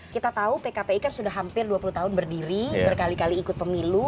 kita tahu pkpi kan sudah hampir dua puluh tahun berdiri berkali kali ikut pemilu